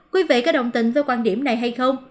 quý vị có đồng tình với quan điểm này hay không